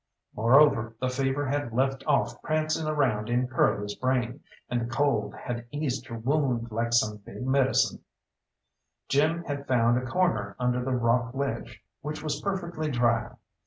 Moreover, the fever had left off prancing around in Curly's brain, and the cold had eased her wound like some big medicine. Jim had found a corner under the rock ledge which was perfectly dry.